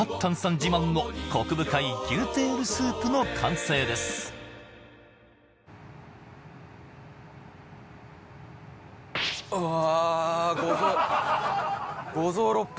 自慢のコク深い牛テールスープの完成ですああ！